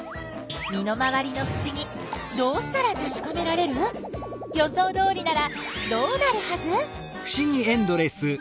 身の回りのふしぎどうしたらたしかめられる？予想どおりならどうなるはず？